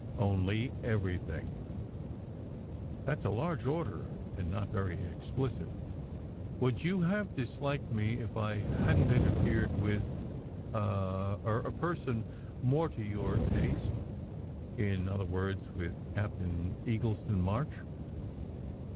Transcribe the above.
"Only everything." "That s a large order, and not very explicit. Would you have disliked me if I hadn t interfered with a er a person more to your taste; in other words, with Captain Eagleston March?"